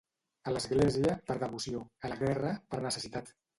A l'església, per devoció; a la guerra, per necessitat.